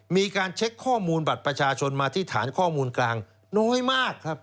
มีการเช็คข้อมูลบัตรประชาชนมาที่ฐานข้อมูลกลางน้อยมากครับ